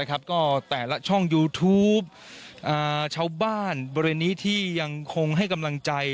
ก็แต่ละช่องยูทูปชาวบ้านบริเวณนี้ที่ยังคงให้กำลังใจ